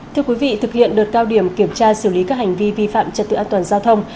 thưa quý vị thực hiện đợt cao điểm kiểm tra xử lý các hành vi vi phạm trật tự an toàn giao thông